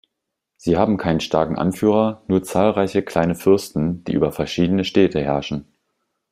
Sie haben keinen starken Anführer, nur zahlreiche kleine Fürsten, die über verschiedene Städte herrschen.